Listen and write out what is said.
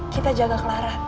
kita jaga clara